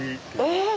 えっ！